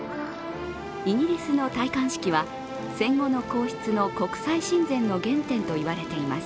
イギリスの戴冠式は戦後の皇室の国際親善の原点といわれています。